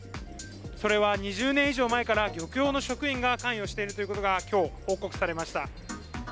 それは２０年以上前から漁協の職員が関与しているということが今日、報告されました。